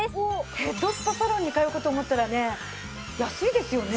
ヘッドスパサロンに通う事を思ったらね安いですよね。